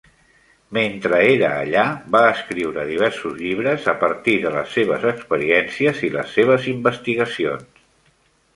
Mentre era allà, va escriure diversos llibres a partir de les seves experiències i les seves investigacions.